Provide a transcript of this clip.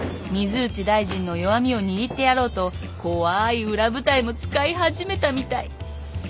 水内大臣の弱みを握ってやろうとこわい裏部隊も使い始めたみたい。